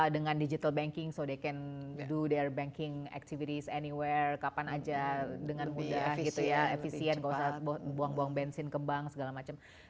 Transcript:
dengan digital banking jadi mereka bisa melakukan aktivitas banknya di mana mana kapan saja dengan mudah efisien tidak perlu buang buang bensin ke bank segala macam